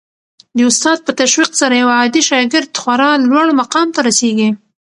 د استاد په تشویق سره یو عادي شاګرد خورا لوړ مقام ته رسېږي.